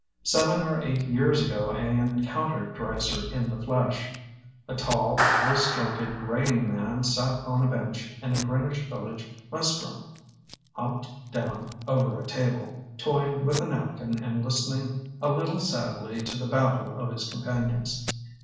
Seven or eight years ago I encoun tered Dreiser in the flesh. A tall, loose jointed, greying man sat on a bench in a Greenwich Village res taurant, humped down over a table, toying with a napkin and listening a little sadly to the babble of his com panions.